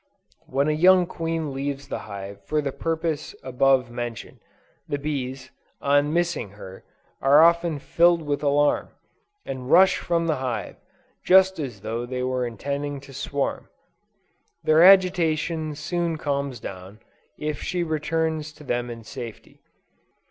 When a young queen leaves the hive for the purpose above mentioned, the bees, on missing her, are often filled with alarm, and rush from the hive, just as though they were intending to swarm. Their agitation soon calms down, if she returns to them in safety.